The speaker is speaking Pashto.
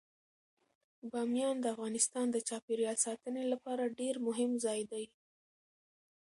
بامیان د افغانستان د چاپیریال ساتنې لپاره ډیر مهم ځای دی.